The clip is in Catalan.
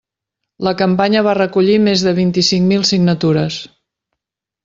La campanya va recollir més de vint-i-cinc mil signatures.